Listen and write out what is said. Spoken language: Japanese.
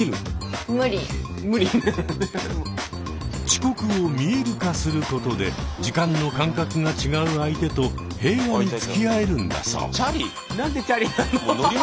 遅刻を見える化することで時間の感覚が違う相手と平和につきあえるんだそう。